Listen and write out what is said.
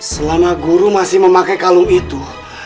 selama guru masih memakai kalung itu